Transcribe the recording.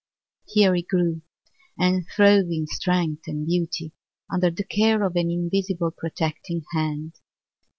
Here he grew, and throve in strength and beauty under the care of an invisible protecting hand.